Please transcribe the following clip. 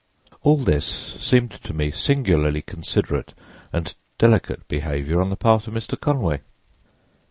"All this seemed to me singularly considerate and delicate behavior on the part of Mr. Conway.